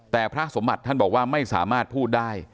แต่พระสมบัติท่านบอกว่าไม่สามารถพูดได้